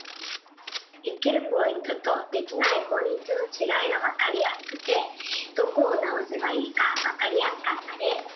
できるポイントとできないポイントのちがいが分かりやすくてどこを直せばいいか分かりやすかったです。